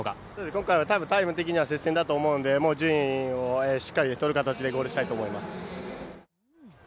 今回はタイム的には接戦だと思うのでもう順位をしっかりとる形でゴールしたいと思います。